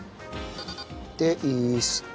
でイースト。